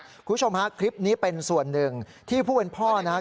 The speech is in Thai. คุณผู้ชมฮะคลิปนี้เป็นส่วนหนึ่งที่ผู้เป็นพ่อนะครับ